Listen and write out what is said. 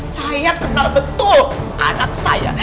saya kenal betul anak saya